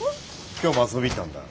今日も遊び行ったんだ？